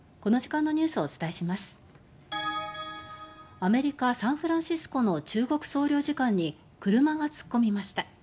アメリカ・サンフランシスコの中国総領事館に車が突っ込みました。